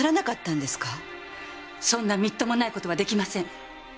そんなみっともない事は出来ません。